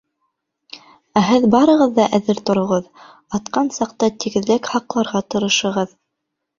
Ә һеҙ барығыҙ ҙа әҙер тороғоҙ, атҡан саҡта тигеҙлек һаҡларға тырышығыҙ.